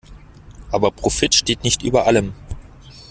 Aber Profit steht nicht über allem.